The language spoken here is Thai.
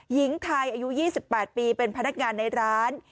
หญิงไทยอายุ๒๘ปีเป็นพนักงานในร้าน